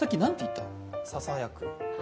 ささやく？